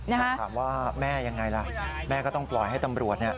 ถามว่าแม่ยังไงล่ะแม่ก็ต้องปล่อยให้ตำรวจเนี่ย